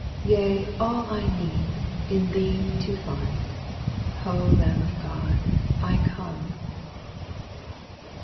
Yea, all I need, in thee to find, — O Lamb of God, I come 1 6.